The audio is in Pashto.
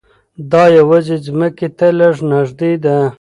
دا یوازې ځمکې ته لږ نږدې ده.